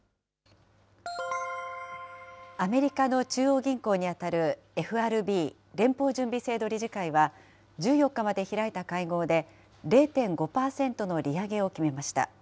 アメリカの中央銀行に当たるＦＲＢ・連邦準備制度理事会は、１４日まで開いた会合で、０．５％の利上げを決めました。